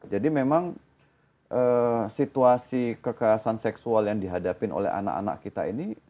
jadi memang situasi kekerasan seksual yang dihadapi oleh anak anak itu